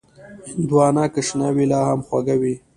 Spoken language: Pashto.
هندوانه که شنه وي، لا هم خوږه وي.